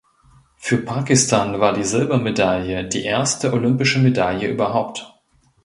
Für Pakistan war die Silbermedaille die erste olympische Medaille überhaupt.